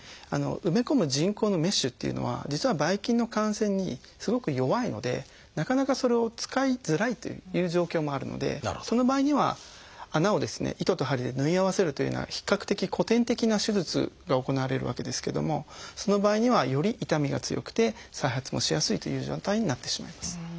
埋め込む人工のメッシュっていうのは実はばい菌の感染にすごく弱いのでなかなかそれを使いづらいという状況もあるのでその場合には穴をですね糸と針で縫い合わせるというような比較的古典的な手術が行われるわけですけどもその場合にはより痛みが強くて再発もしやすいという状態になってしまいます。